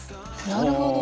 なるほど。